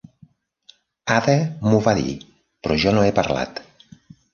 Ada m'ho va dir, però jo no he parlat.